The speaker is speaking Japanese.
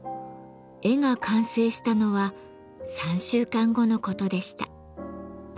絵が完成したのは３週間後のことでした。